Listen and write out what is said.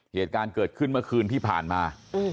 เหตุการณ์เกิดขึ้นเมื่อคืนที่ผ่านมา